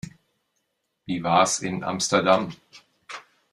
Wie war's in Amsterdam?